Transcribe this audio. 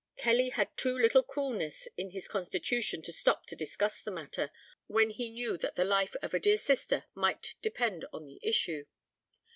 Kelly had too little coolness in his constitution to stop to discuss the matter, when he knew that the life of a dear sister might depend on the issue.